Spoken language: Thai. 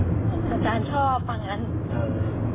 หรือก็คิดว่าอาจารย์ไม่คิดอะไร